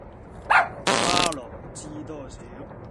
花落知多少